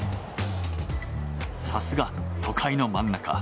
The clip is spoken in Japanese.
さすが都会の真ん中。